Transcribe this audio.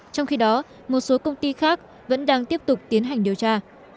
trong khi đó một số công ty khác vẫn đang tiếp tục tiến hành điều tra